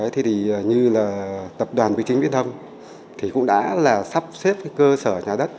thế thì như là tập đoàn quy trình biến thâm thì cũng đã là sắp xếp cơ sở nhà đất